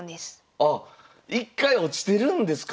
あ１回落ちてるんですか